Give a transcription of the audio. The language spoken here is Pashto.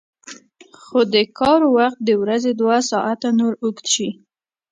خو د کار وخت د ورځې دوه ساعته نور اوږد شي